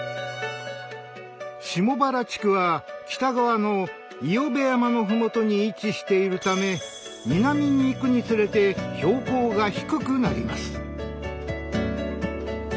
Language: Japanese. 下原地区は北側の伊与部山の麓に位置しているため南に行くにつれて標高が低くなります。